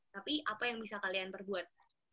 tapi apa yang bisa kalian perbuat